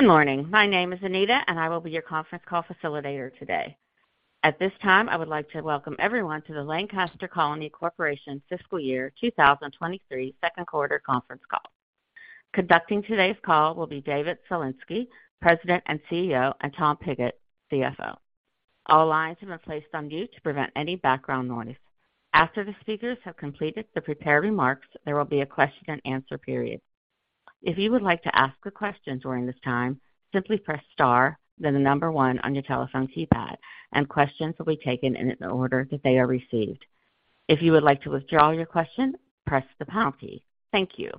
Good morning. My name is Anita. I will be your conference call facilitator today. At this time, I would like to welcome everyone to the Lancaster Colony Corporation Fiscal Year 2023 second quarter conference call. Conducting today's call will be David Ciesinski, President and CEO, and Tom Pigott, CFO. All lines have been placed on mute to prevent any background noise. After the speakers have completed the prepared remarks, there will be a question-and-answer period. If you would like to ask a question during this time, simply press star then the number one on your telephone keypad, and questions will be taken in the order that they are received. If you would like to withdraw your question, press the pound key. Thank you.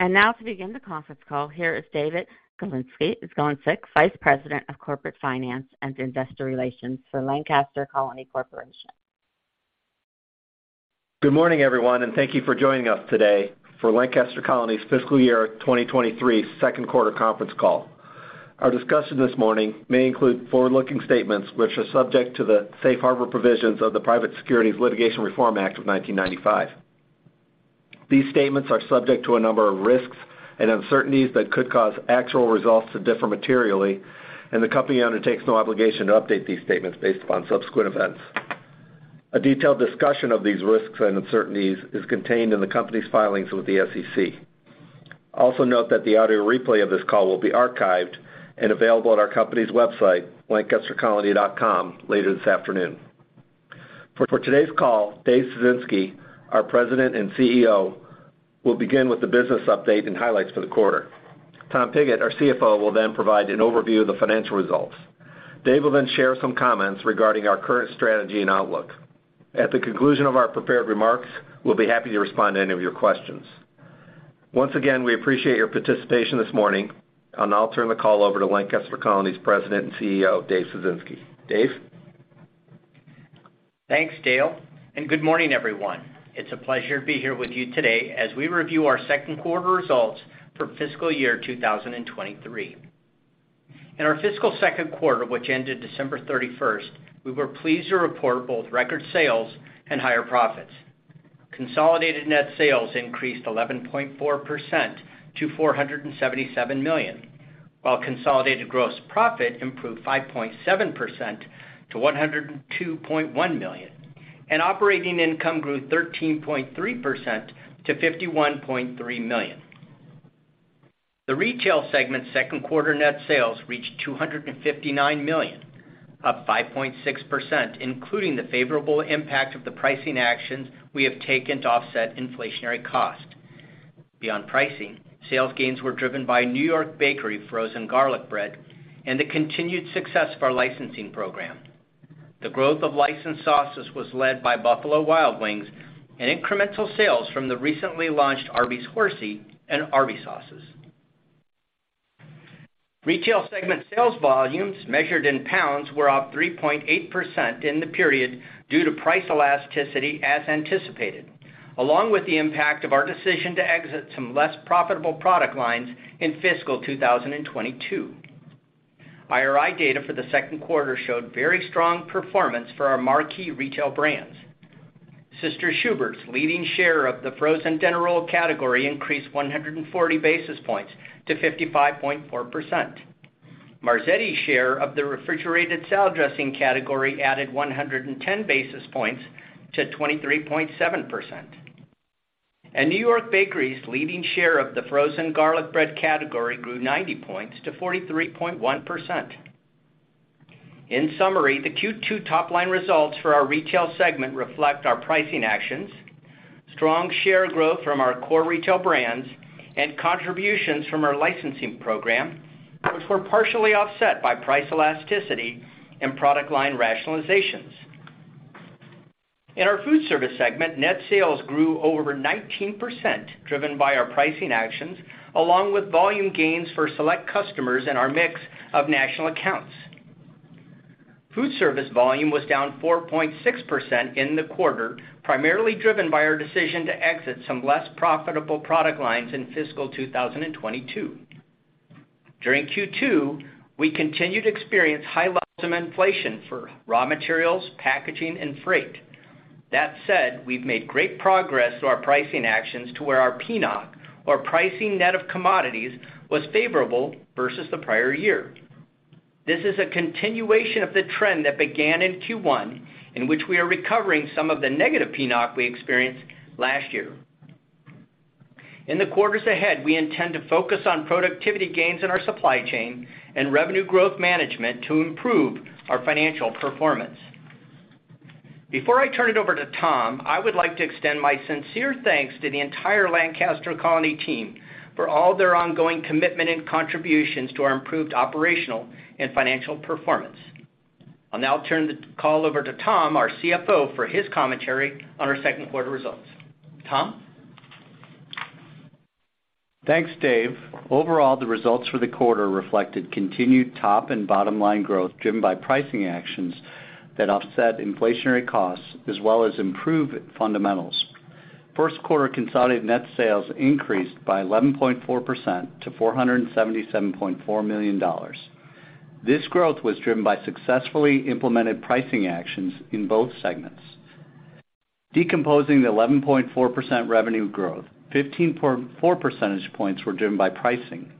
Now to begin the conference call, here is Dale Ganobsik, Vice President of Corporate Finance and Industrial Relations for Lancaster Colony Corporation. Good morning, everyone, and thank you for joining us today for Lancaster Colony's Fiscal Year 2023 second quarter conference call. Our discussion this morning may include forward-looking statements which are subject to the safe harbor provisions of the Private Securities Litigation Reform Act of 1995. These statements are subject to a number of risks and uncertainties that could cause actual results to differ materially, and the company undertakes no obligation to update these statements based upon subsequent events. A detailed discussion of these risks and uncertainties is contained in the company's filings with the SEC. Also note that the audio replay of this call will be archived and available on our company's website, lancastercolony.com, later this afternoon. For today's call, Dave Ciesinski, our President and CEO, will begin with the business update and highlights for the quarter. Tom Pigott, our CFO, will then provide an overview of the financial results. Dave will then share some comments regarding our current strategy and outlook. At the conclusion of our prepared remarks, we'll be happy to respond to any of your questions. Once again, we appreciate your participation this morning. I'll now turn the call over to Lancaster Colony's President and CEO, Dave Ciesinski. Dave? Thanks, Dale, and good morning, everyone. It's a pleasure to be here with you today as we review our second quarter results for fiscal year 2023. In our fiscal second quarter, which ended December 31st, we were pleased to report both record sales and higher profits. Consolidated net sales increased 11.4% to $477 million, while consolidated gross profit improved 5.7% to $102.1 million, and operating income grew 13.3% to $51.3 million. The retail segment's second quarter net sales reached $259 million, up 5.6%, including the favorable impact of the pricing actions we have taken to offset inflationary costs. Beyond pricing, sales gains were driven by New York Bakery frozen garlic bread and the continued success of our licensing program. The growth of licensed sauces was led by Buffalo Wild Wings and incremental sales from the recently launched Arby's Horsey and Arby's sauces. Retail segment sales volumes measured in pounds were up 3.8% in the period due to price elasticity as anticipated, along with the impact of our decision to exit some less profitable product lines in fiscal 2022. IRI data for the second quarter showed very strong performance for our marquee retail brands. Sister Schubert's leading share of the frozen dinner roll category increased 140 basis points to 55.4%. Marzetti's share of the refrigerated salad dressing category added 110 basis points to 23.7%. New York Bakery's leading share of the frozen garlic bread category grew 90 points to 43.1%. In summary, the Q2 top-line results for our retail segment reflect our pricing actions, strong share growth from our core retail brands, and contributions from our licensing program, which were partially offset by price elasticity and product line rationalizations. In our food service segment, net sales grew over 19%, driven by our pricing actions, along with volume gains for select customers in our mix of national accounts. Food service volume was down 4.6% in the quarter, primarily driven by our decision to exit some less profitable product lines in fiscal 2022. During Q2, we continued to experience high levels of inflation for raw materials, packaging, and freight. That said, we've made great progress through our pricing actions to where our PNOC, or pricing net of commodities, was favorable versus the prior year. This is a continuation of the trend that began in Q1 in which we are recovering some of the negative PNOC we experienced last year. In the quarters ahead, we intend to focus on productivity gains in our supply chain and revenue growth management to improve our financial performance. Before I turn it over to Tom, I would like to extend my sincere thanks to the entire Lancaster Colony team for all their ongoing commitment and contributions to our improved operational and financial performance. I'll now turn the call over to Tom, our CFO, for his commentary on our second quarter results. Tom? Thanks, Dave. Overall, the results for the quarter reflected continued top and bottom line growth driven by pricing actions that offset inflationary costs as well as improved fundamentals. First quarter consolidated net sales increased by 11.4% to $477.4 million. This growth was driven by successfully implemented pricing actions in both segments. Decomposing the 11.4% revenue growth, 15.4 percentage points were driven by pricing.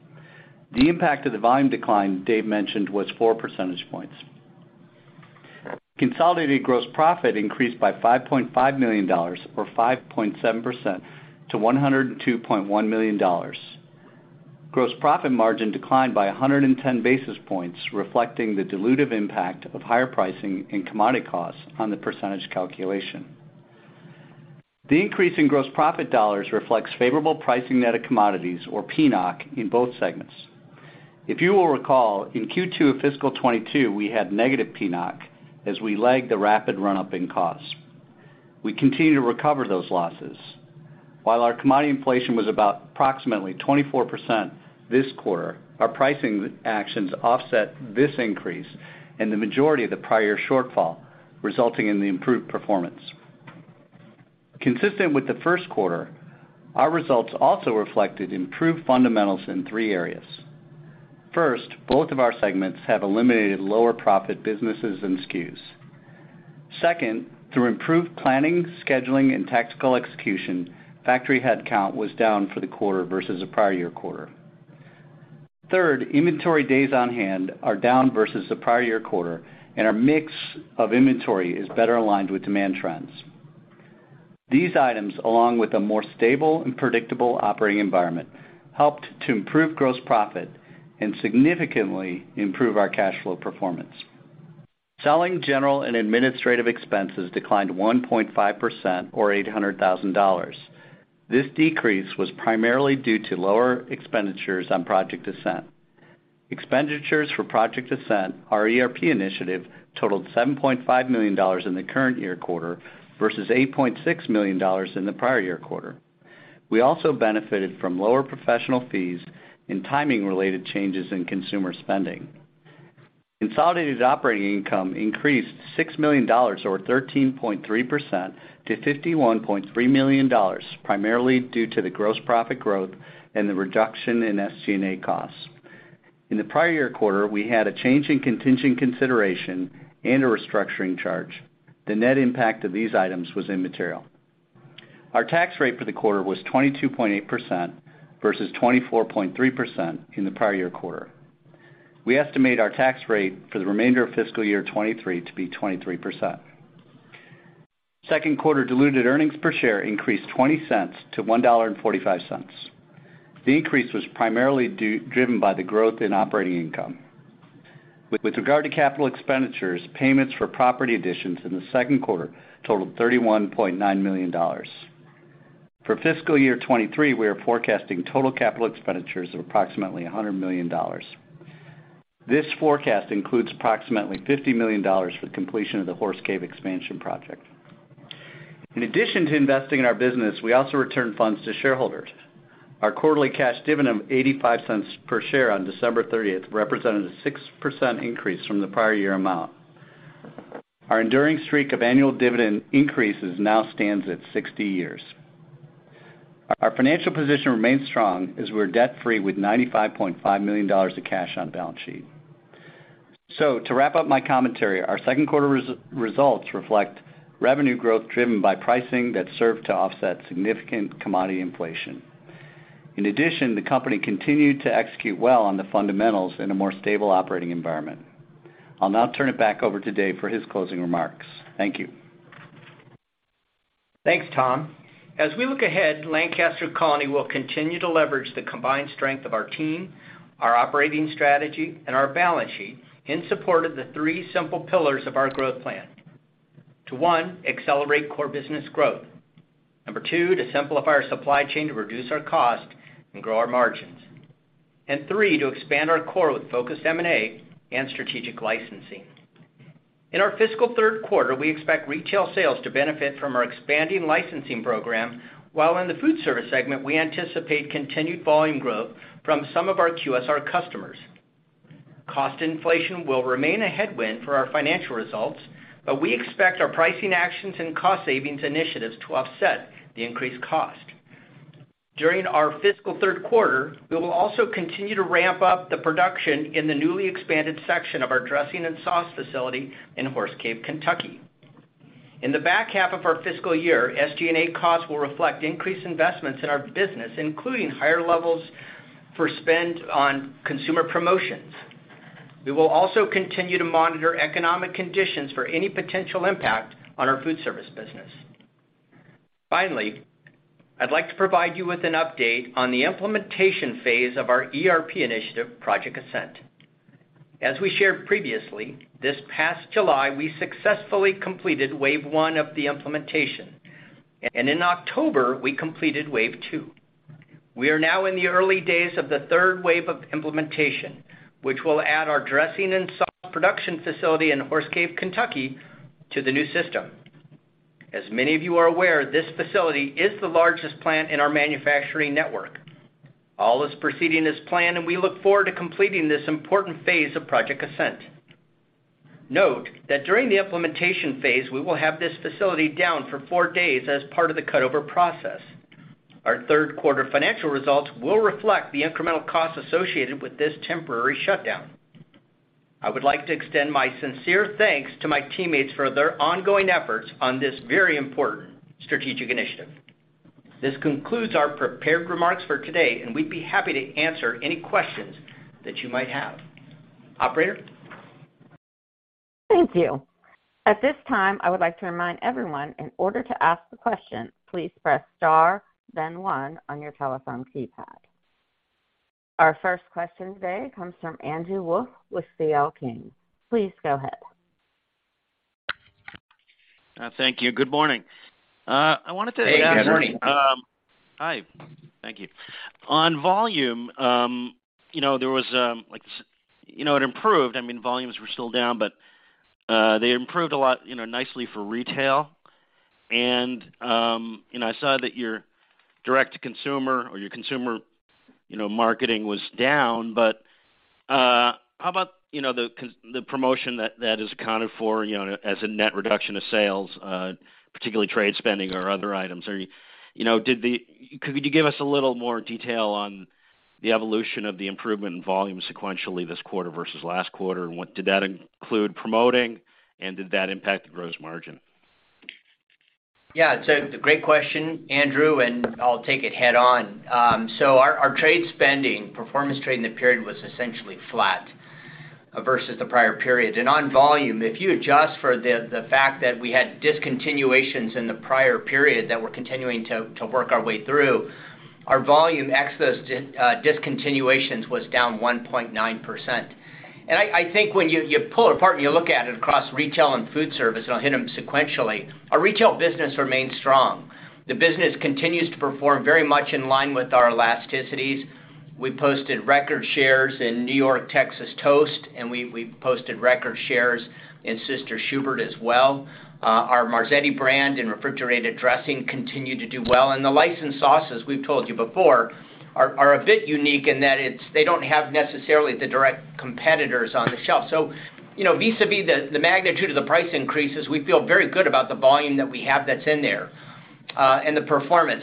The impact of the volume decline Dave mentioned was 4 percentage points. Consolidated gross profit increased by $5.5 million or 5.7% to $102.1 million. Gross profit margin declined by 110 basis points, reflecting the dilutive impact of higher pricing and commodity costs on the percentage calculation. The increase in gross profit dollars reflects favorable pricing net of commodities or PNOC in both segments. If you will recall, in Q2 of fiscal 2022, we had negative PNOC as we lagged the rapid run-up in costs. We continue to recover those losses. While our commodity inflation was about approximately 24% this quarter, our pricing actions offset this increase and the majority of the prior shortfall, resulting in the improved performance. Consistent with the first quarter, our results also reflected improved fundamentals in three areas. First, both of our segments have eliminated lower profit businesses and SKUs. Second, through improved planning, scheduling, and tactical execution, factory headcount was down for the quarter versus the prior year quarter. Third, inventory days on hand are down versus the prior year quarter, and our mix of inventory is better aligned with demand trends. These items, along with a more stable and predictable operating environment, helped to improve gross profit and significantly improve our cash flow performance. Selling, general, and administrative expenses declined 1.5% or $800,000. This decrease was primarily due to lower expenditures on Project Ascent. Expenditures for Project Ascent, our ERP initiative, totaled $7.5 million in the current year quarter versus $8.6 million in the prior year quarter. We also benefited from lower professional fees and timing-related changes in consumer spending. Consolidated operating income increased $6 million or 13.3% to $51.3 million, primarily due to the gross profit growth and the reduction in SG&A costs. In the prior year quarter, we had a change in contingent consideration and a restructuring charge. The net impact of these items was immaterial. Our tax rate for the quarter was 22.8% versus 24.3% in the prior year quarter. We estimate our tax rate for the remainder of fiscal year 2023 to be 23%. Second quarter diluted earnings per share increased $0.20 to $1.45. The increase was primarily driven by the growth in operating income. With regard to capital expenditures, payments for property additions in the second quarter totaled $31.9 million. For fiscal year 2023, we are forecasting total capital expenditures of approximately $100 million. This forecast includes approximately $50 million forothe completion of the Horse Cave expansion project. In addition to investing in our business, we also return funds to shareholders. Our quarterly cash dividend of $0.85 per share on December 30th represented a 6% increase from the prior year amount. Our enduring streak of annual dividend increases now stands at 60 years. Our financial position remains strong as we're debt-free with $95.5 million of cash on the balance sheet. To wrap up my commentary, our second quarter results reflect revenue growth driven by pricing that served to offset significant commodity inflation. In addition, the company continued to execute well on the fundamentals in a more stable operating environment. I'll now turn it back over to Dave for his closing remarks. Thank you. Thanks, Tom. As we look ahead, Lancaster Colony will continue to leverage the combined strength of our team, our operating strategy, and our balance sheet in support of the three simple pillars of our growth plan. To one, accelerate core business growth. Number two, to simplify our supply chain to reduce our cost and grow our margins. Three, to expand our core with focused M&A and strategic licensing. In our fiscal third quarter, we expect retail sales to benefit from our expanding licensing program, while in the foodservice segment, we anticipate continued volume growth from some of our QSR customers. Cost inflation will remain a headwind for our financial results, but we expect our pricing actions and cost savings initiatives to offset the increased cost. During our fiscal third quarter, we will also continue to ramp up the production in the newly expanded section of our dressing and sauce facility in Horse Cave, Kentucky. In the back half of our fiscal year, SG&A costs will reflect increased investments in our business, including higher levels for spend on consumer promotions. We will also continue to monitor economic conditions for any potential impact on our foodservice business. I'd like to provide you with an update on the implementation phase of our ERP initiative, Project Ascent. As we shared previously, this past July, we successfully completed wave one of the implementation, and in October, we completed wave two. We are now in the early days of the third wave of implementation, which will add our dressing and sauce production facility in Horse Cave, Kentucky, to the new system. As many of you are aware, this facility is the largest plant in our manufacturing network. All is proceeding as planned, we look forward to completing this important phase of Project Ascent. Note that during the implementation phase, we will have this facility down for four days as part of the cutover process. Our third quarter financial results will reflect the incremental costs associated with this temporary shutdown. I would like to extend my sincere thanks to my teammates for their ongoing efforts on this very important strategic initiative. This concludes our prepared remarks for today, we'd be happy to answer any questions that you might have. Operator? Thank you. At this time, I would like to remind everyone, in order to ask the question, please press Star then one on your telephone keypad. Our first question today comes from Andrew Wolf with C.L. King. Please go ahead. Thank you. Good morning. Hey, good morning. Hi. Thank you. On volume, you know, there was, like, you know, it improved. I mean, volumes were still down, but, they improved a lot, you know, nicely for retail. I saw that your direct-to-consumer or your consumer, you know, marketing was down, but, how about, you know, the promotion that is accounted for, you know, as a net reduction of sales, particularly trade spending or other items? Could you give us a little more detail on the evolution of the improvement in volume sequentially this quarter versus last quarter? Did that include Promoting, and did that impact the gross margin? Yeah. Great question, Andrew, and I'll take it head on. Our, our trade spending, performance trade in the period was essentially flat versus the prior periods. On volume, if you adjust for the fact that we had discontinuations in the prior period that we're continuing to work our way through, our volume ex those discontinuations was down 1.9%. I think when you pull it apart and you look at it across retail and food service, I'll hit them sequentially, our retail business remains strong. The business continues to perform very much in line with our elasticities. We posted record shares in New York, Texas Toast, and we posted record shares in Sister Schubert's as well. Our Marzetti brand and refrigerated dressing continue to do well. The licensed sauces, we've told you before, are a bit unique in that it's, they don't have necessarily the direct competitors on the shelf. You know, vis-à-vis the magnitude of the price increases, we feel very good about the volume that we have that's in there and the performance.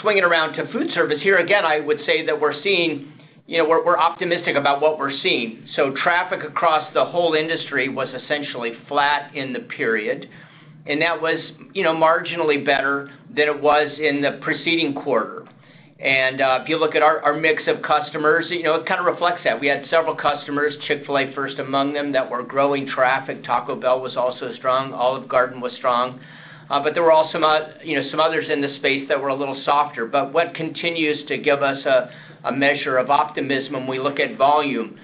Swinging around to food service, here again, I would say that we're seeing, you know, we're optimistic about what we're seeing. Traffic across the whole industry was essentially flat in the period, and that was, you know, marginally better than it was in the preceding quarter. If you look at our mix of customers, you know, it kinda reflects that. We had several customers, Chick-fil-A first among them, that were growing traffic. Taco Bell was also strong. Olive Garden was strong. There were also you know, some others in the space that were a little softer. What continues to give us a measure of optimism when we look at volume is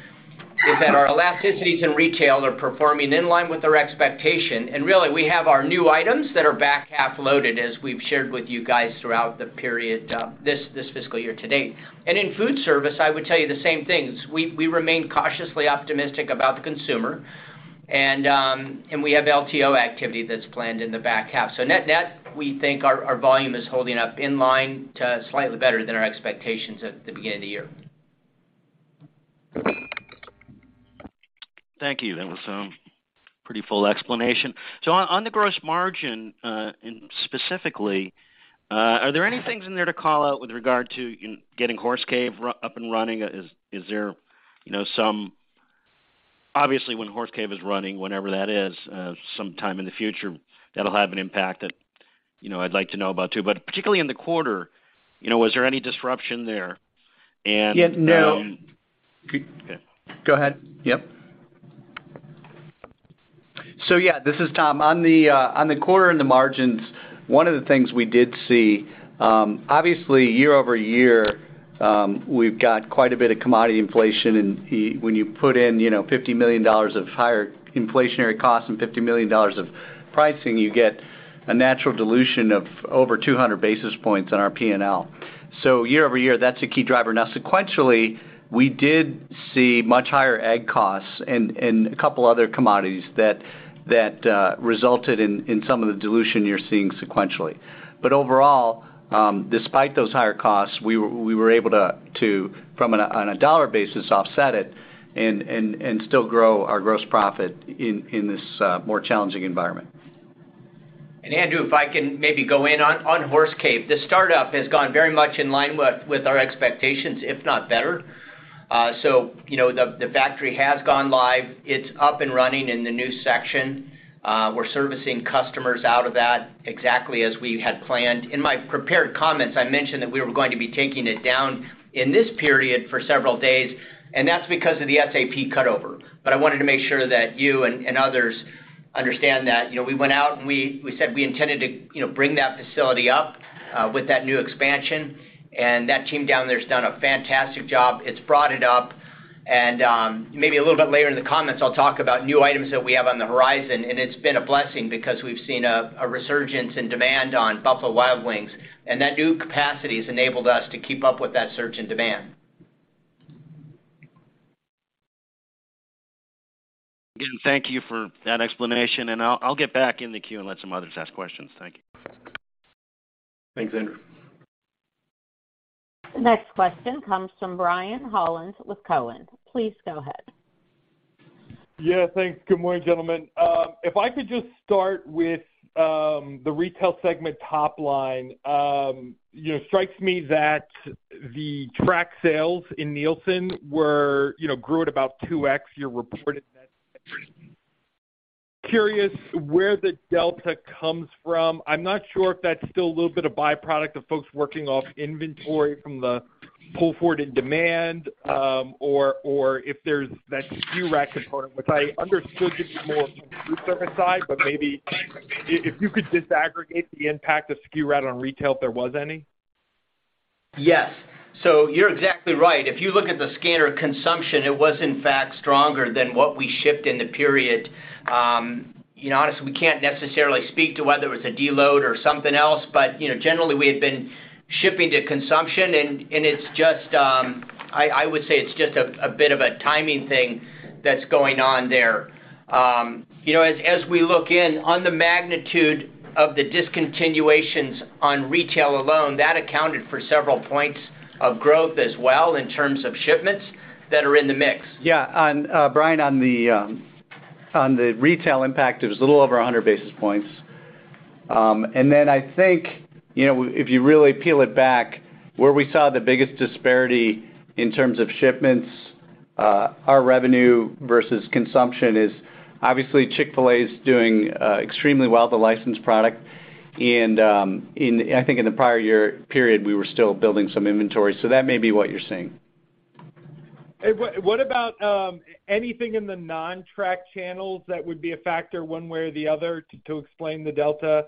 that our elasticities in retail are performing in line with our expectation. Really, we have our new items that are back half loaded, as we've shared with you guys throughout the period, this fiscal year to date. In food service, I would tell you the same things. We, we remain cautiously optimistic about the consumer, and we have LTO activity that's planned in the back half. Net, net, we think our volume is holding up in line to slightly better than our expectations at the beginning of the year. Thank you. That was pretty full explanation. On the gross margin, specifically, are there any things in there to call out with regard to getting Horse Cave up and running? Is there, you know, Obviously, when Horse Cave is running, whenever that is, sometime in the future, that'll have an impact that, you know, I'd like to know about too. Particularly in the quarter, you know, was there any disruption there? Yeah. No. Go ahead. Yep. Yeah, this is Tom. On the quarter and the margins, one of the things we did see, obviously year-over-year, we've got quite a bit of commodity inflation. When you put in, you know, $50 million of higher inflationary costs and $50 million of pricing, you get a natural dilution of over 200 basis points on our P&L. Year-over-year, that's a key driver. Sequentially, we did see much higher ag costs and a couple other commodities that resulted in some of the dilution you're seeing sequentially. Overall, despite those higher costs, we were able to, on a dollar basis, offset it and still grow our gross profit in this more challenging environment. Andrew, if I can maybe go in on Horse Cave, the startup has gone very much in line with our expectations, if not better. You know, the factory has gone live. It's up and running in the new section. We're servicing customers out of that exactly as we had planned. In my prepared comments, I mentioned that we were going to be taking it down in this period for several days, and that's because of the SAP cutover. I wanted to make sure that you and others understand that. You know, we went out and we said we intended to, you know, bring that facility up with that new expansion, and that team down there has done a fantastic job. It's brought it up. Maybe a little bit later in the comments, I'll talk about new items that we have on the horizon, and it's been a blessing because we've seen a resurgence in demand on Buffalo Wild Wings, and that new capacity has enabled us to keep up with that surge in demand. Again, thank you for that explanation, and I'll get back in the queue and let some others ask questions. Thank you. Thanks, Andrew. The next question comes from Brian Holland with Cowen. Please go ahead. Yeah, thanks. Good morning, gentlemen. If I could just start with the retail segment top line. You know, strikes me that the track sales in Nielsen were, you know, grew at about 2x your reported net-Curious where the delta comes from. I'm not sure if that's still a little bit of byproduct of folks working off inventory from the pull forward in demand, or if there's that SKU rat component, which I understood to be more from the foodservice side, but maybe if you could disaggregate the impact of SKU rat on retail, if there was any. Yes. You're exactly right. If you look at the scanner consumption, it was in fact stronger than what we shipped in the period. You know, honestly, we can't necessarily speak to whether it was a deload or something else, but, you know, generally, we had been shipping to consumption, and it's just, I would say it's just a bit of a timing thing that's going on there. You know, as we look in on the magnitude of the discontinuations on retail alone, that accounted for several points of growth as well in terms of shipments that are in the mix. Yeah. Brian, on the retail impact, it was a little over 100 basis points. I think, you know, if you really peel it back where we saw the biggest disparity in terms of shipments, our revenue versus consumption is obviously Chick-fil-A is doing extremely well, the licensed product. I think in the prior year period, we were still building some inventory. That may be what you're seeing. What about anything in the non-track channels that would be a factor one way or the other to explain the delta,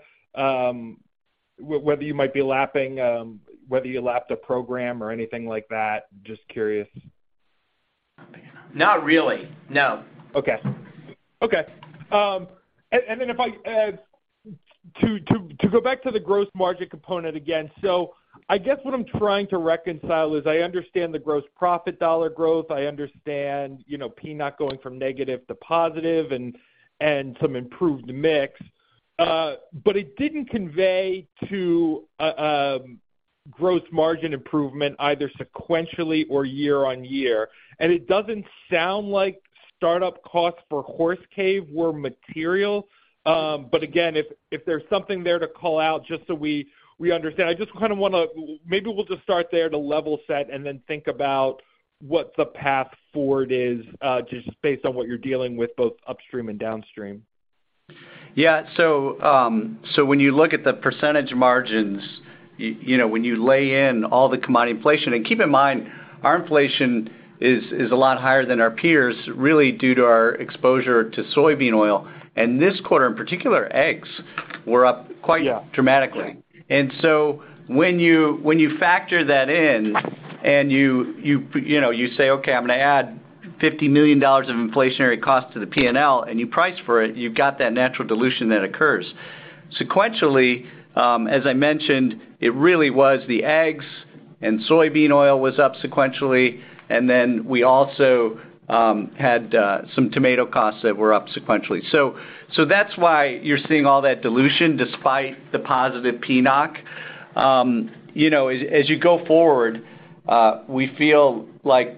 whether you might be lapping, whether you lapped a program or anything like that? Just curious. Not really, no. Okay. Okay. Then if I to go back to the gross margin component again. I guess what I'm trying to reconcile is I understand the gross profit dollar growth. I understand, you know, PNOC going from negative to positive and some improved mix. It didn't convey to a gross margin improvement either sequentially or year-over-year. It doesn't sound like start-up costs for HorseCave were material. Again, if there's something there to call out just so we understand. Maybe we'll just start there to level set and then think about what the path forward is, just based on what you're dealing with both upstream and downstream. Yeah. When you look at the percentage margins, you know, when you lay in all the commodity inflation. Keep in mind, our inflation is a lot higher than our peers, really due to our exposure to soybean oil. This quarter, in particular, eggs were up quite dramatically. When you factor that in and you know, you say, "Okay, I'm gonna add $50 million of inflationary cost to the P&L," and you price for it, you've got that natural dilution that occurs. Sequentially, as I mentioned, it really was the eggs and soybean oil was up sequentially, and then we also had some tomato costs that were up sequentially. That's why you're seeing all that dilution despite the positive PNOC. You know, as you go forward, we feel like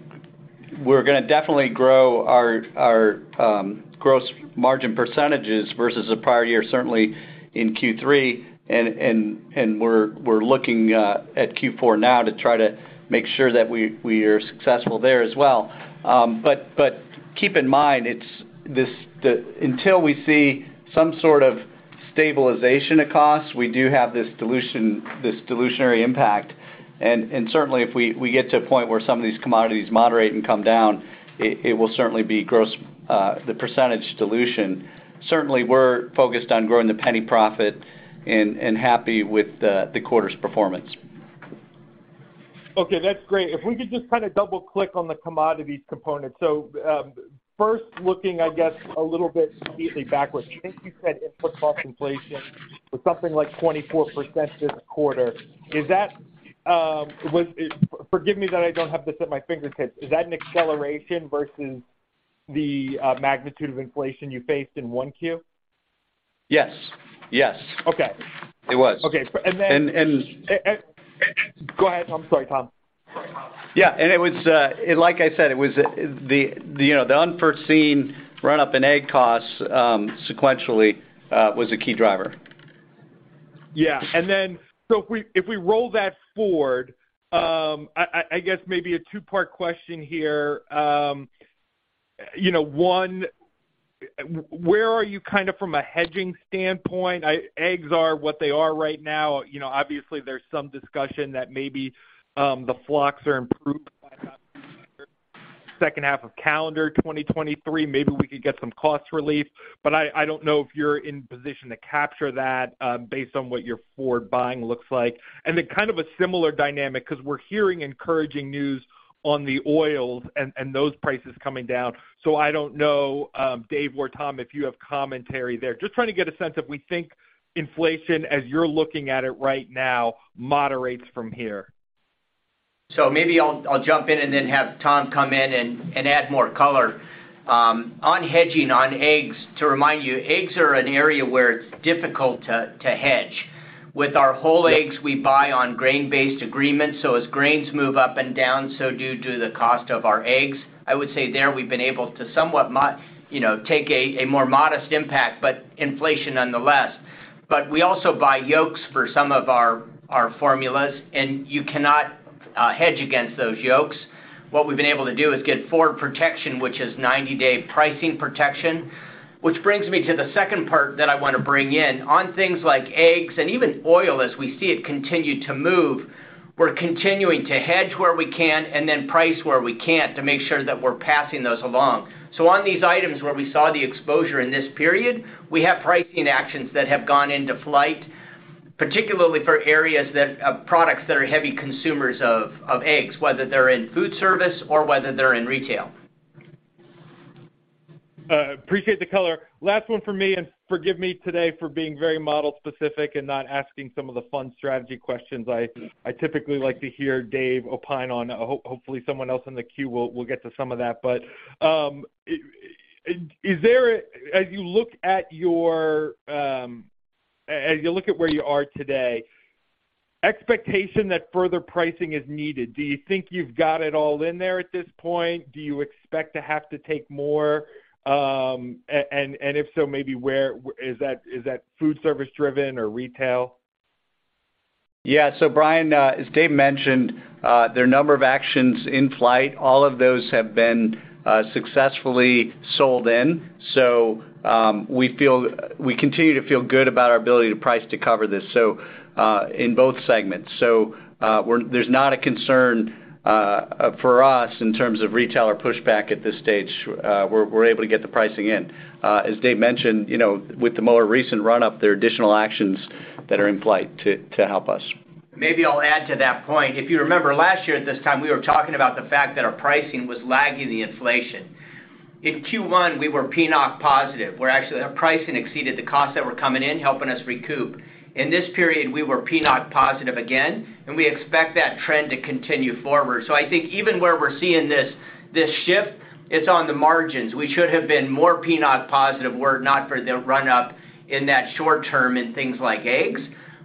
we're gonna definitely grow our gross margin % versus the prior year, certainly in Q3, and we're looking at Q4 now to try to make sure that we are successful there as well. Keep in mind, until we see some sort of stabilization of costs, we do have this dilution, this dilutionary impact. Certainly if we get to a point where some of these commodities moderate and come down, it will certainly be the % dilution. Certainly, we're focused on growing the penny profit and happy with the quarter's performance. Okay, that's great. If we could just kind of double-click on the commodities component. First looking, I guess, a little bit completely backwards. I think you said input cost inflation was something like 24% this quarter. Forgive me that I don't have this at my fingertips. Is that an acceleration versus the magnitude of inflation you faced in Q1? Yes. Yes. Okay. It was. Okay. And, and- Go ahead. I'm sorry, Tom. Yeah. It was, like I said, it was, the, you know, the unforeseen run-up in egg costs, sequentially, was a key driver. If we, if we roll that forward, I guess maybe a two-part question here. You know, one, where are you kinda from a hedging standpoint? Eggs are what they are right now. You know, obviously, there's some discussion that maybe, the flocks are improved by about second half of calendar 2023, maybe we could get some cost relief. I don't know if you're in position to capture that, based on what your forward buying looks like. Kind of a similar dynamic, because we're hearing encouraging news on the oils and those prices coming down. I don't know, Dave or Tom, if you have commentary there. Just trying to get a sense if we think inflation as you're looking at it right now, moderates from here. Maybe I'll jump in and then have Tom come in and add more color. On hedging on eggs, to remind you, eggs are an area where it's difficult to hedge. With our whole eggs, we buy on grain-based agreements. As grains move up and down, so do the cost of our eggs. I would say there we've been able to somewhat, you know, take a more modest impact, but inflation nonetheless. We also buy yolks for some of our formulas, and you cannot hedge against those yolks. What we've been able to do is get forward protection, which is 90-day pricing protection, which brings me to the second part that I wanna bring in. On things like eggs and even oil, as we see it continue to move, we're continuing to hedge where we can and then price where we can't to make sure that we're passing those along. On these items where we saw the exposure in this period, we have pricing actions that have gone into flight, particularly for areas that products that are heavy consumers of eggs, whether they're in foodservice or whether they're in retail. Appreciate the color. Last one for me, forgive me today for being very model specific and not asking some of the fun strategy questions I typically like to hear Dave opine on. Hopefully, someone else in the queue will get to some of that. As you look at where you are today, expectation that further pricing is needed, do you think you've got it all in there at this point? Do you expect to have to take more? And if so, maybe Is that Foodservice driven or retail? Yeah. Brian, as Dave mentioned, there are a number of actions in flight. All of those have been successfully sold in, so, we continue to feel good about our ability to price to cover this, so, in both segments. there's not a concern for us in terms of retailer pushback at this stage. we're able to get the pricing in. as Dave mentioned, you know, with the more recent run-up, there are additional actions that are in flight to help us. Maybe I'll add to that point. If you remember last year at this time, we were talking about the fact that our pricing was lagging the inflation. In Q1, we were PNOC positive, where actually our pricing exceeded the costs that were coming in, helping us recoup. In this period, we were PNOC positive again, and we expect that trend to continue forward. I think even where we're seeing this shift, it's on the margins. We should have been more PNOC positive were it not for the run-up in that short term in things like eggs.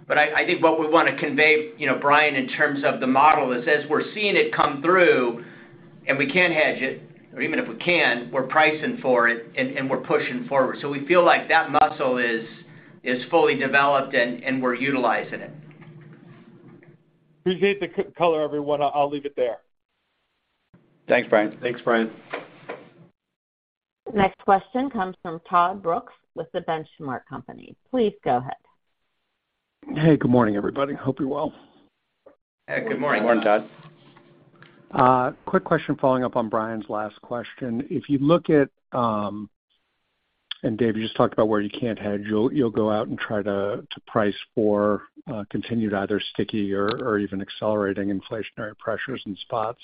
I think what we wanna convey, you know, Brian, in terms of the model is, as we're seeing it come through, and we can't hedge it, or even if we can, we're pricing for it and we're pushing forward. We feel like that muscle is fully developed and we're utilizing it. Appreciate the color, everyone. I'll leave it there. Thanks, Brian. Thanks, Brian. Next question comes from Todd Brooks with The Benchmark Company. Please go ahead. Hey, good morning, everybody. Hope you're well. Hey, good morning. Good morning. Morning, Todd. Quick question following up on Brian's last question. If you look at, Dave, you just talked about where you can't hedge, you'll go out and try to price for continued either sticky or even accelerating inflationary pressures in spots.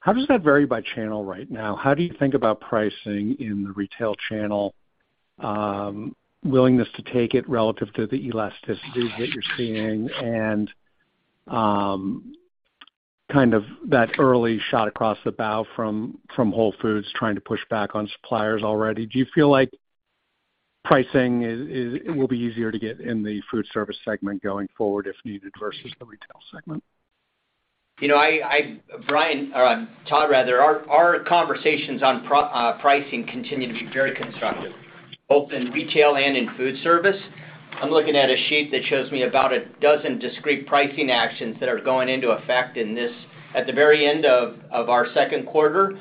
How does that vary by channel right now? How do you think about pricing in the retail channel, willingness to take it relative to the elasticity that you're seeing and, kind of that early shot across the bow from Whole Foods trying to push back on suppliers already? Do you feel like pricing will be easier to get in the foodservice segment going forward if needed versus the retail segment? You know, Brian or Todd, rather, our conversations on pricing continue to be very constructive, both in retail and in food service. I'm looking at a sheet that shows me about 12 discrete pricing actions that are going into effect at the very end of our second quarter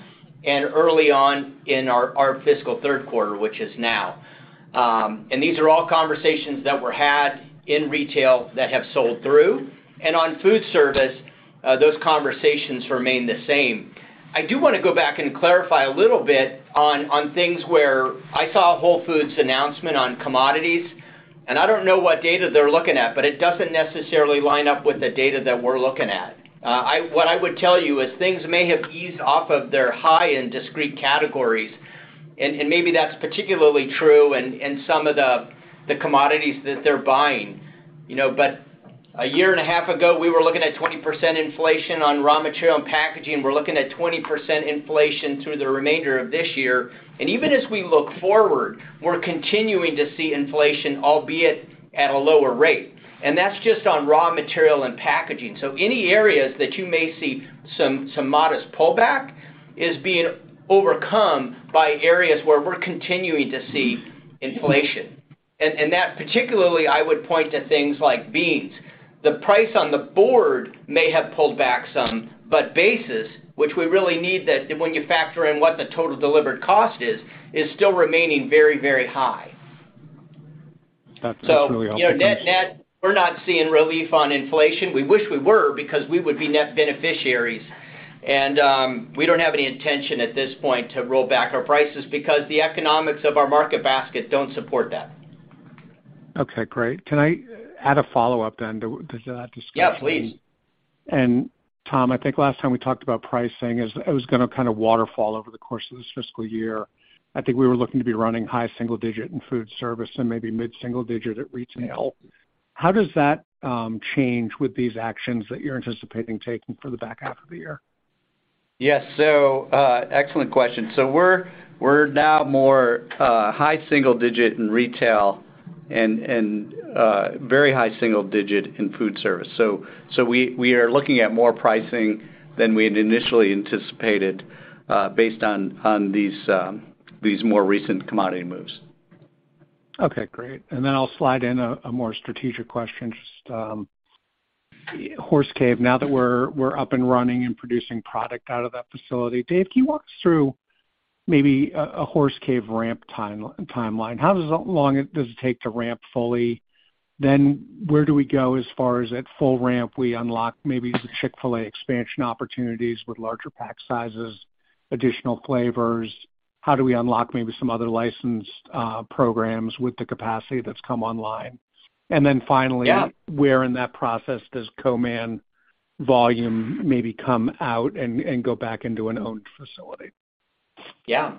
and early on in our fiscal third quarter, which is now. These are all conversations that were had in retail that have sold through. On food service, those conversations remain the same. I do wanna go back and clarify a little bit on things where I saw Whole Foods Market's announcement on commodities, and I don't know what data they're looking at, but it doesn't necessarily line up with the data that we're looking at. What I would tell you is things may have eased off of their high-end discrete categories, and maybe that's particularly true in some of the commodities that they're buying. You know, a year and a half ago, we were looking at 20% inflation on raw material and packaging. We're looking at 20% inflation through the remainder of this year. Even as we look forward, we're continuing to see inflation, albeit at a lower rate. That's just on raw material and packaging. Any areas that you may see some modest pullback is being overcome by areas where we're continuing to see inflation. That, particularly, I would point to things like beans. The price on the board may have pulled back some, but basis, which we really need that when you factor in what the total delivered cost is still remaining very, very high. That's really helpful. you know, net, we're not seeing relief on inflation. We wish we were because we would be net beneficiaries. we don't have any intention at this point to roll back our prices because the economics of our market basket don't support that. Okay, great. Can I add a follow-up then to that discussion? Yeah, please. Tom, I think last time we talked about pricing is it was gonna kinda waterfall over the course of this fiscal year. I think we were looking to be running high single-digit in foodservice and maybe mid-single-digit at retail. How does that change with these actions that you're anticipating taking for the back half of the year? Yes. excellent question. We're now more high single digit in retail and very high single digit in food service. We are looking at more pricing than we had initially anticipated, based on these more recent commodity moves. Okay, great. I'll slide in a more strategic question. Just, Horse Cave, now that we're up and running and producing product out of that facility, Dave, can you walk us through maybe a Horse Cave ramp time-timeline? How long does it take to ramp fully? Where do we go as far as at full ramp, we unlock maybe the Chick-fil-A expansion opportunities with larger pack sizes, additional flavors? How do we unlock maybe some other licensed programs with the capacity that's come online? finally- Yeah. where in that process does Coman volume maybe come out and go back into an owned facility? Yeah.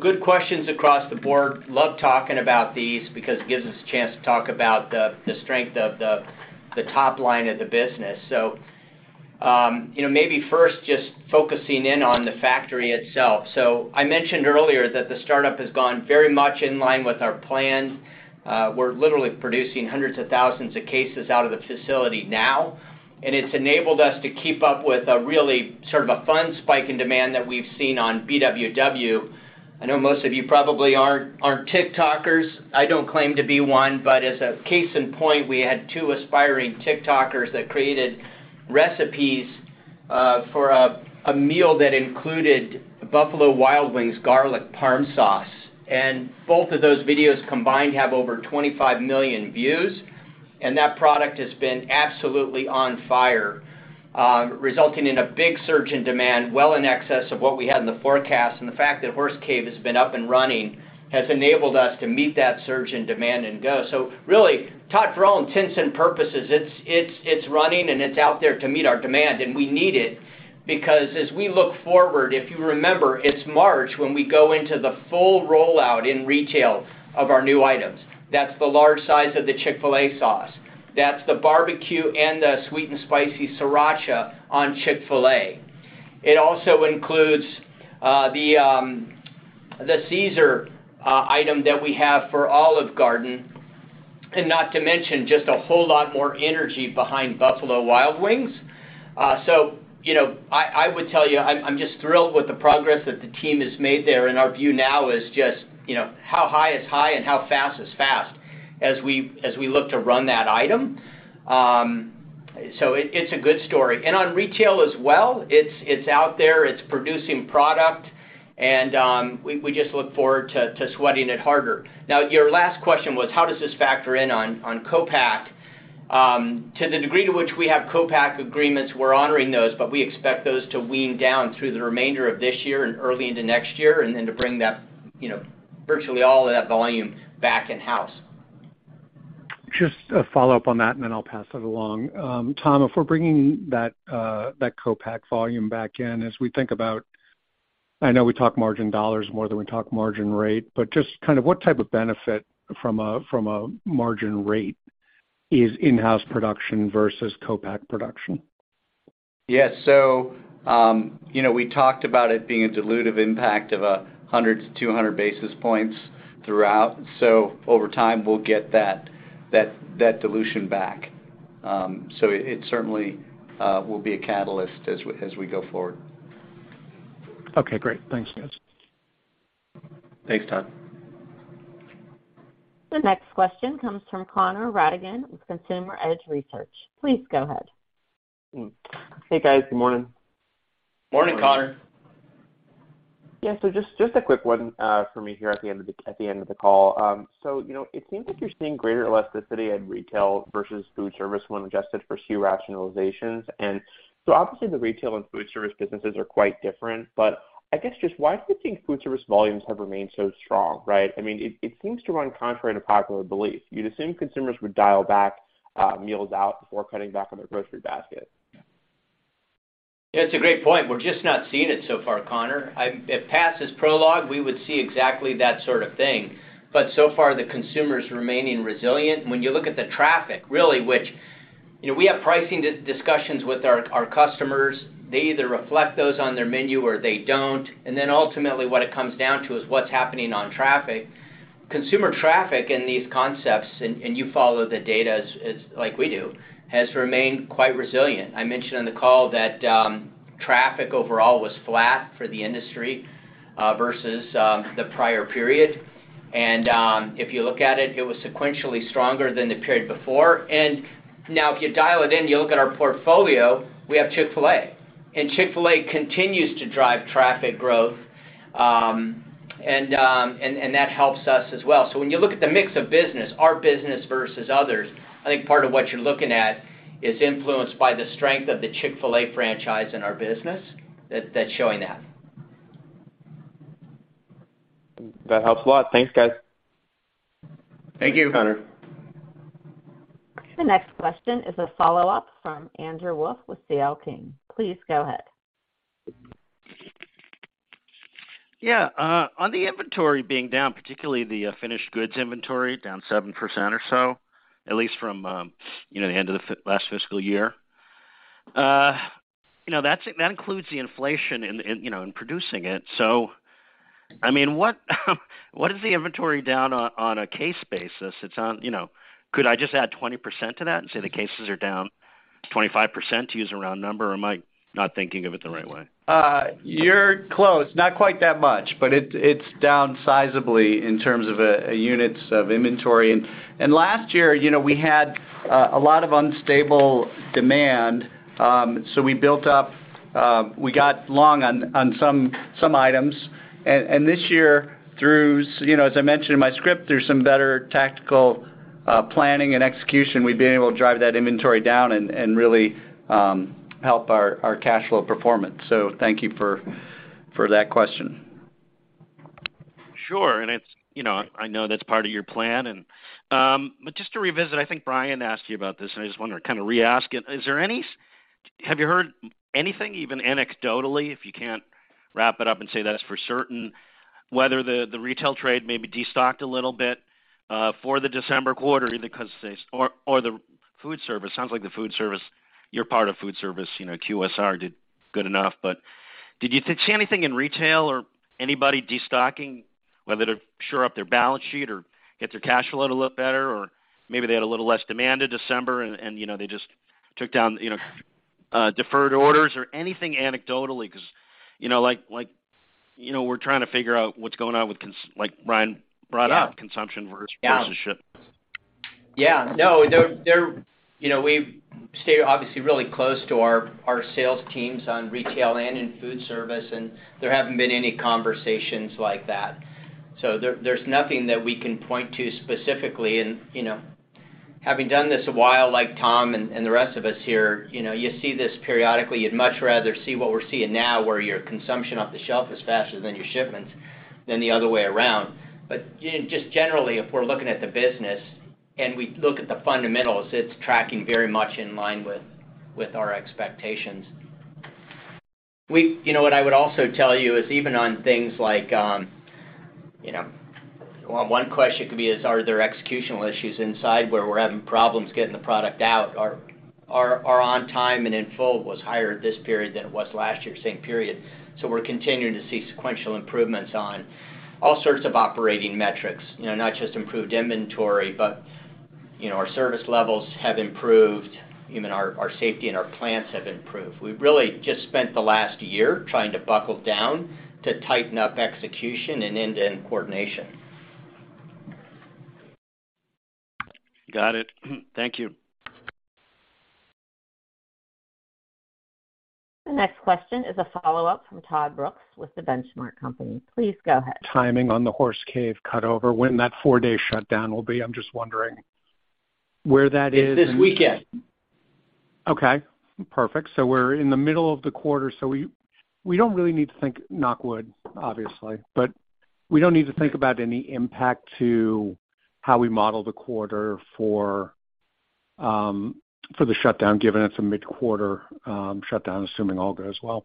Good questions across the board. Love talking about these because it gives us a chance to talk about the strength of the top line of the business. You know, maybe first just focusing in on the factory itself. I mentioned earlier that the startup has gone very much in line with our plan. We're literally producing hundreds of thousands of cases out of the facility now, and it's enabled us to keep up with a really sort of a fun spike in demand that we've seen on BWW. I know most of you probably aren't TikTokers. I don't claim to be one. As a case in point, we had two aspiring TikTokers that created recipes for a meal that included Buffalo Wild Wings Parmesan Garlic Sauce. Both of those videos combined have over $25 million views. That product has been absolutely on fire, resulting in a big surge in demand, well in excess of what we had in the forecast. The fact that Horse Cave has been up and running has enabled us to meet that surge in demand and go. Really, Todd, for all intents and purposes, it's running, and it's out there to meet our demand, and we need it because as we look forward, if you remember, it's March when we go into the full rollout in retail of our new items. That's the large size of the Chick-fil-A Sauce. That's the barbecue and the Sweet & Spicy Sriracha on Chick-fil-A. It also includes the Caesar item that we have for Olive Garden, and not to mention just a whole lot more energy behind Buffalo Wild Wings. You know, I would tell you, I'm just thrilled with the progress that the team has made there, and our view now is just, you know, how high is high and how fast is fast as we, as we look to run that item. It, it's a good story. On retail as well, it's out there, it's producing product, and, we just look forward to sweating it harder. Your last question was, how does this factor in on co-pack? To the degree to which we have co-pack agreements, we're honoring those, but we expect those to wean down through the remainder of this year and early into next year and then to bring that, you know, virtually all of that volume back in-house. Just a follow-up on that, then I'll pass it along. Tom, if we're bringing that co-pack volume back in, as we think about... I know we talk margin dollars more than we talk margin rate, but just kind of what type of benefit from a margin rate is in-house production versus co-pack production? Yeah. You know, we talked about it being a dilutive impact of 100-200 basis points throughout. Over time, we'll get that dilution back. It certainly will be a catalyst as we go forward. Okay, great. Thanks, guys. Thanks, Todd. The next question comes from Connor Rattigan with Consumer Edge Research. Please go ahead. Hey, guys. Good morning. Morning, Conor. Yeah, just a quick one from me here at the end of the call. You know, it seems like you're seeing greater elasticity at retail versus foodservice when adjusted for SKU rationalizations. Obviously, the retail and foodservice businesses are quite different, but I guess just why do you think foodservice volumes have remained so strong, right? I mean, it seems to run contrary to popular belief. You'd assume consumers would dial back meals out before cutting back on their grocery basket. Yeah, it's a great point. We're just not seeing it so far, Connor. If past is prologue, we would see exactly that sort of thing. So far, the consumer's remaining resilient. When you look at the traffic, really, which, you know, we have pricing discussions with our customers. They either reflect those on their menu or they don't. Ultimately what it comes down to is what's happening on traffic. Consumer traffic in these concepts, and you follow the data as like we do, has remained quite resilient. I mentioned on the call that traffic overall was flat for the industry versus the prior period. If you look at it was sequentially stronger than the period before. Now if you dial it in, you look at our portfolio, we have Chick-fil-A, and Chick-fil-A continues to drive traffic growth. And that helps us as well. When you look at the mix of business, our business versus others, I think part of what you're looking at is influenced by the strength of the Chick-fil-A franchise in our business that's showing that. That helps a lot. Thanks, guys. Thank you, Conor. The next question is a follow-up from Andrew Wolf with C.L. King. Please go ahead. On the inventory being down, particularly the finished goods inventory down 7% or so, at least from, you know, the end of the last fiscal year, you know, that includes the inflation in, you know, in producing it. I mean, what is the inventory down on a case basis? It's on, you know, could I just add 20% to that and say the cases are down 25% to use a round number or am I not thinking of it the right way? You're close. Not quite that much, but it's down sizably in terms of units of inventory. Last year, you know, we had a lot of unstable demand, so we built up, we got long on some items. This year throughs, you know, as I mentioned in my script, there's some better tactical planning and execution. We've been able to drive that inventory down and really help our cash flow performance. Thank you for that question. Sure. It's, you know, I know that's part of your plan and. Just to revisit, I think Brian asked you about this, and I just wonder kind of re-ask it. Have you heard anything, even anecdotally, if you can't wrap it up and say that it's for certain, whether the retail trade may be destocked a little bit, for the December quarter either 'cause they or the food service. Sounds like the food service. Your part of food service, you know, QSR did good enough. Did you see anything in retail or anybody destocking, whether to shore up their balance sheet or get their cash flow to look better or maybe they had a little less demand in December and, you know, they just took down, you know, deferred orders or anything anecdotally 'cause, you know, like, you know, we're trying to figure out what's going on with like Brian brought up consumption versus shipments? Yeah. No. There, you know, we've stayed obviously really close to our sales teams on retail and in foodservice, and there haven't been any conversations like that. There's nothing that we can point to specifically. You know, having done this a while, like Tom and the rest of us here, you know, you see this periodically. You'd much rather see what we're seeing now where your consumption off the shelf is faster than your shipments than the other way around. You know, just generally, if we're looking at the business and we look at the fundamentals, it's tracking very much in line with our expectations. You know, what I would also tell you is even on things like, you know, well, one question could be is, are there executional issues inside where we're having problems getting the product out? Our on time and in full was higher this period than it was last year, same period. We're continuing to see sequential improvements on all sorts of operating metrics. You know, not just improved inventory, but, you know, our service levels have improved. Even our safety and our plants have improved. We've really just spent the last year trying to buckle down to tighten up execution and end-to-end coordination. Got it. Thank you. The next question is a follow-up from Todd Brooks with The Benchmark Company. Please go ahead. Timing on the Horse Cave cutover, when that four-day shutdown will be. I'm just wondering where that is and- It's this weekend. Okay, perfect. We're in the middle of the quarter, so we don't really need to think, knock wood, obviously, but we don't need to think about any impact to how we model the quarter for the shutdown, given it's a mid-quarter shutdown, assuming all goes well.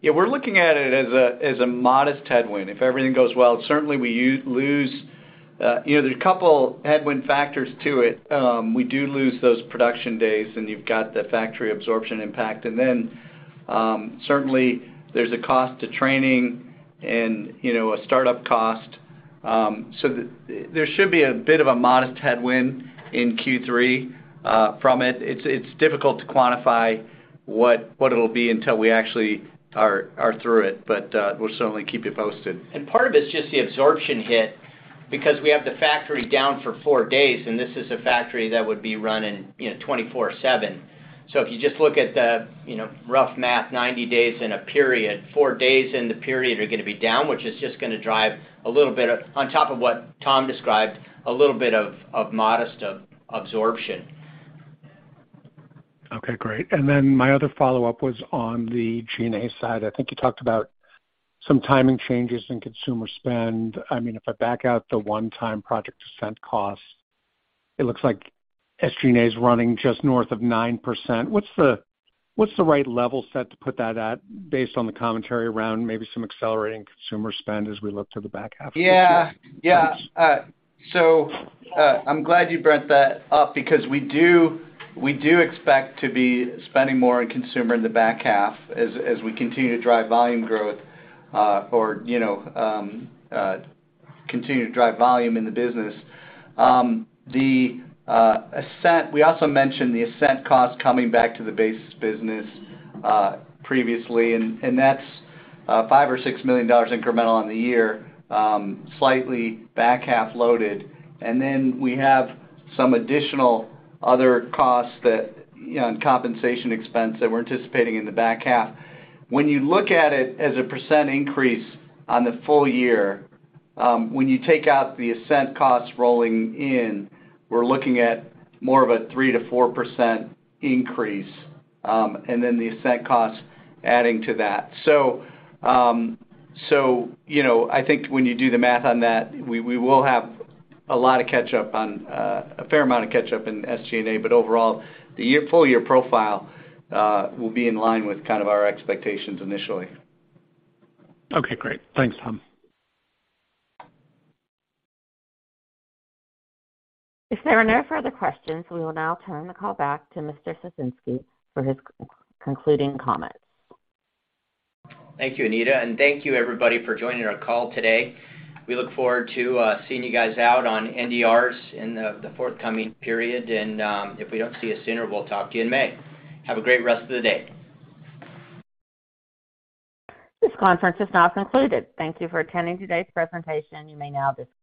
Yeah. We're looking at it as a, as a modest headwind. If everything goes well, certainly we lose, you know, there's a couple headwind factors to it. We do lose those production days, and you've got the factory absorption impact. Then, certainly there's a cost to training and, you know, a start-up cost. So there should be a bit of a modest headwind in Q3 from it. It's difficult to quantify what it'll be until we actually are through it, but we'll certainly keep you posted. Part of it is just the absorption hit because we have the factory down for four days, and this is a factory that would be running, you know, 24/7. If you just look at the, you know, rough math, 90 days in a period, four days in the period are gonna be down, which is just gonna drive a little bit of, on top of what Tom described, a little bit of modest absorption. Okay, great. My other follow-up was on the G&A side. I think you talked about some timing changes in consumer spend. I mean, if I back out the one-time Project Ascent costs, it looks like SG&A is running just north of 9%. What's the right level set to put that at based on the commentary around maybe some accelerating consumer spend as we look to the back half of this year? yeah. I'm glad you brought that up because we do expect to be spending more in consumer in the back half as we continue to drive volume growth, or, you know, continue to drive volume in the business. We also mentioned the Ascent cost coming back to the base business, previously, and that's $5 million or $6 million incremental on the year, slightly back half loaded. Then we have some additional other costs that, you know, and compensation expense that we're anticipating in the back half. When you look at it as a percent increase on the full year, when you take out the Ascent costs rolling in, we're looking at more of a 3%-4% increase, and then the Ascent costs adding to that. You know, I think when you do the math on that, we will have a lot of catch-up on a fair amount of catch-up in SG&A. Overall, the year, full year profile will be in line with kind of our expectations initially. Okay, great. Thanks, Tom. If there are no further questions, we will now turn the call back to Mr. Ciesinski for his concluding comments. Thank you, Anita, and thank you everybody for joining our call today. We look forward to seeing you guys out on NDRs in the forthcoming period. If we don't see you sooner, we'll talk to you in May. Have a great rest of the day. This conference is now concluded. Thank you for attending today's presentation. You may now dis-